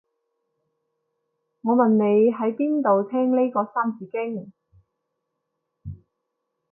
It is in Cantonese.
我問你喺邊度聽呢個三字經